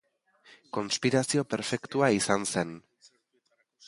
Konspirazio perfektua izan zen.